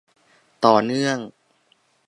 ต่อเนื่อง